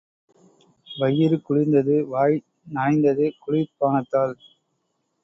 வயிறு குளிர்ந்தது, வாய் நனைந்தது குளிர் பானத்தால்.